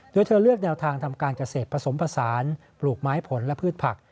โดยเธอเลือกแนวทางทำการเกษตรผสมผสานปลูกไม้ผลและพืชผัก